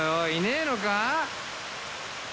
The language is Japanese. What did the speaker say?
いねえのか？